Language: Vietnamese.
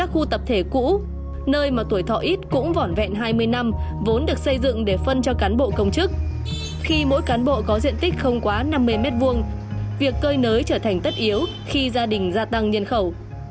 khi mỗi cán bộ có diện tích không quá năm mươi m hai việc cơi nới trở thành tất yếu khi gia đình gia tăng nhân khẩu